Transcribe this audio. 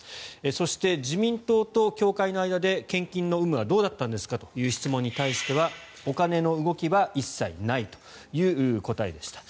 そして自民党と教会の間で献金の有無はどうだったんですかという質問に対してはお金の動きは一切ないという答えでした。